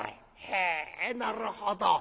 へえなるほど。